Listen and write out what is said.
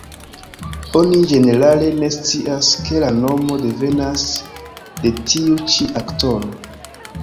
Oni ĝenerale ne scias, ke la nomo devenas de tiu ĉi aktoro.